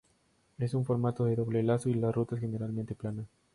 Es un formato de doble lazo y la ruta es generalmente plana.